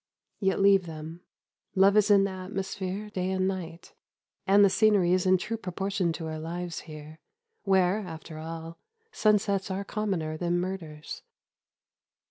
Yet leave them. Love is in the atmosphere day and night, and the scenery is in true proportion to our lives here, where, after all, sunsets are commoner than murders."